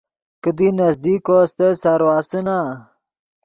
کیدی نزدیک کو استت سارو آسے نا۔